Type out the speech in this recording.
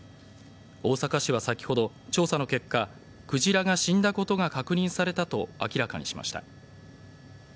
大阪市は先ほど、調査の結果クジラが死んだことが確認されたと明らかにしました。